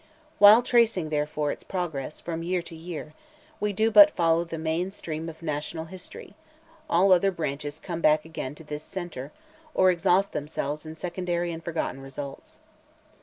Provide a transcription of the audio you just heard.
While tracing, therefore, its progress, from year to year, we do but follow the main stream of national history; all other branches come back again to this centre, or exhaust themselves in secondary and forgotten results.